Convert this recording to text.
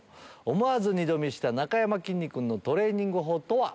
思わず二度見したなかやまきんに君のトレーニング法とは？